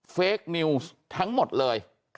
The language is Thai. เฟคนิวส์ทั้งหมดเลย